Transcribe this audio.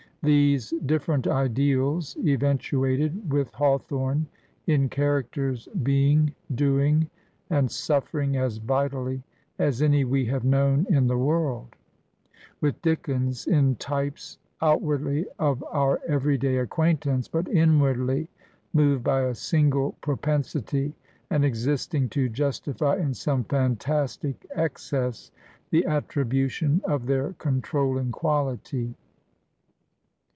These dif ferent ideals eventuated with Hawthorne in charac ters being, doing, and suffering as vitally as any we have known in the world ; with Dickens in types, out wardly of our every day acquaintance, but inwardly moved by a single propensity and existing to justify in some fantastic excess the attribution of their con trolling quality.